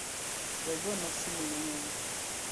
We gona simu mang’eny